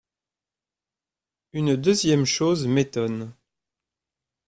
Une deuxième chose m’étonne.